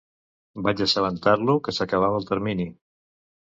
Vaig assabentar-lo que s'acabava el termini.